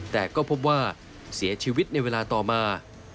แต่ก็พบว่าเสียชีวิตในเวลาต่อมา